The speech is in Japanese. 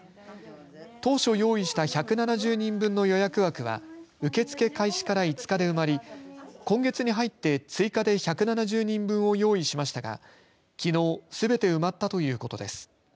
当初、用意した１７０人分の予約枠は受け付け開始から５日で埋まり今月に入って追加で１７０人分を用意しましたがきのう、すべて埋まったということです。